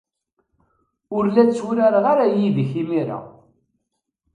Ur la tturareɣ ara yid-k imir-a.